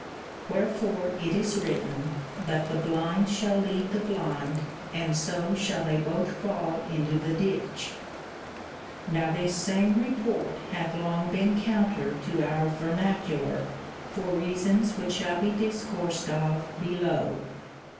Wherefore it is written, that the blind shall lead the blind and so shall they both fall into the ditch. Now this same report hath long been counter to our vernacular, for reasons which will be discoursed of below.